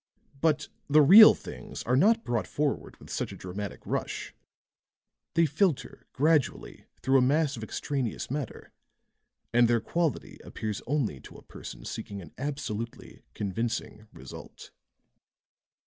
But the real things are not brought forward with such a dramatic rush; they filter gradually through a mass of extraneous matter and their quality appears only to a person seeking an absolutely convincing result."